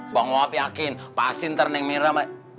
bang wahab yakin pasti ntar neng mirah